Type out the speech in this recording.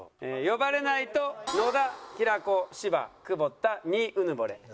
呼ばれないと野田平子芝久保田２うぬぼれ。